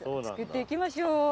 作っていきましょう。